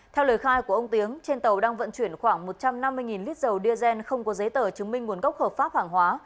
theo lời khai của ông tiếng trên tàu đang vận chuyển khoảng một trăm năm mươi lít dầu diazen không có giấy tờ chứng minh nguồn gốc hợp pháp hàng hóa